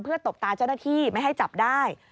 ตบตาเจ้าหน้าที่ไม่ให้จับได้